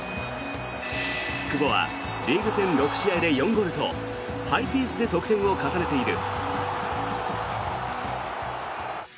久保はリーグ戦６試合で４ゴールとハイペースで得点を重ねている。